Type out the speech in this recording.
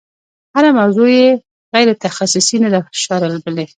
هره موضوع یې غیر تخصصي نه ده شاربلې.